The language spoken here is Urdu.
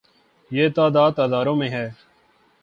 یہ تعداد ہزاروں میں ہے۔